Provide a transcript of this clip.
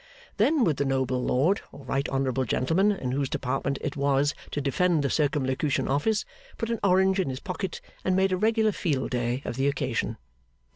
Then would the noble lord, or right honourable gentleman, in whose department it was to defend the Circumlocution Office, put an orange in his pocket, and make a regular field day of the occasion.